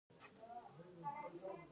د اوبو کیمیاوي فارمول څه شی دی.